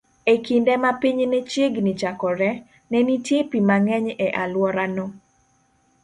E kinde ma piny ne chiegni chakore, ne nitie pi mang'eny e alworano.